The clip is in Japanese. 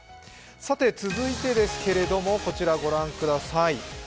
さて続いてですけれども、こちらご覧ください。